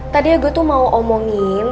tadi ya gue tuh mau omongin